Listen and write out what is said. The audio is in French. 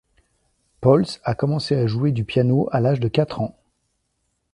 Pauls a commencé à jouer du piano à l'âge de quatre ans.